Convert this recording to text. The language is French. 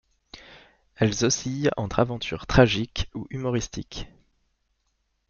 Elles oscillent entre aventures tragiques ou humoristiques.